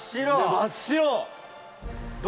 真っ白！